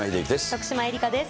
徳島えりかです。